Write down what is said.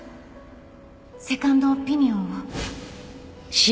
セカンドオピニオンを。